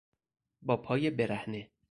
با پای برهنه